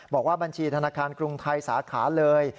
บอกว่าบัญชีธนาคารกรุงไทยสาขาเลย